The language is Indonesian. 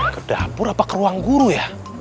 ke dapur apa ke ruang guru ya